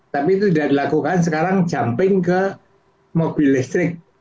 tapi itu tidak dilakukan sekarang jumping ke mobil listrik